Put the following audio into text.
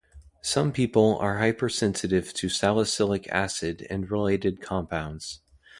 Some people are hypersensitive to salicylic acid and related compounds.